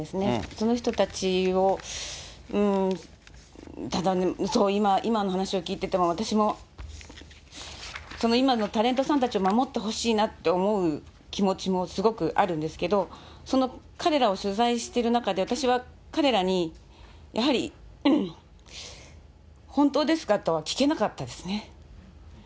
その人たちを、ただね、今の話を聞いてても、私も、その今のタレントさんたちを守ってほしいなって思う気持ちもすごくあるんですけど、彼らを取材してる中で、私は彼らにやはり本当ですか？とは聞けなかったですね。